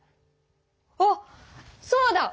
あっそうだ！